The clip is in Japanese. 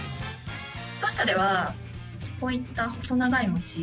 当社ではこういった細長いもち。